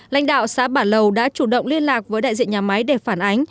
lãnh đạo xã bản lầu đã chủ động liên lạc với đại diện nhà máy để phản ánh